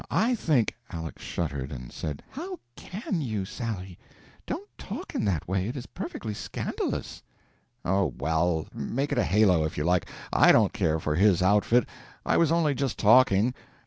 Now, I think " Aleck shuddered, and said: "How _can _you, Sally! Don't talk in that way, it is perfectly scandalous." "Oh, well, make it a halo, if you like, I don't care for his outfit, I was only just talking.